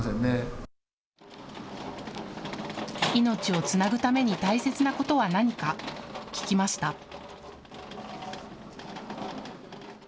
命をつなぐために大切なことは何か、聞きました。